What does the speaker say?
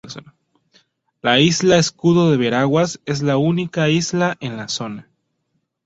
La isla Escudo de Veraguas es la única isla en la zona.